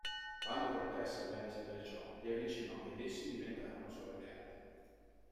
Quando Cortés venne a sapere ciò, li avvicinò ed essi diventarono suoi alleati.